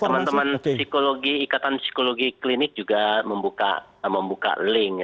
teman teman psikologi ikatan psikologi klinik juga membuka link